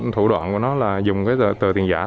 thủ đoạn của nó là dùng tờ tiền giả